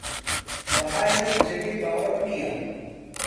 بەهای نەوت جێگەی باوەڕ نییە